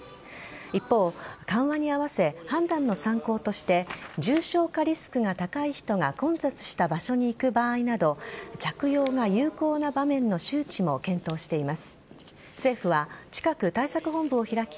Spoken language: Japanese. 一方、緩和に合わせ判断の参考として重症化リスクが高い人が混雑した場所に行く場合など着用は有効な場面の周知も検討しています。